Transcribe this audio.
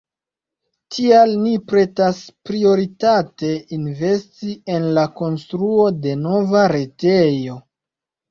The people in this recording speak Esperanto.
Tial ni pretas prioritate investi en la konstruo de nova retejo.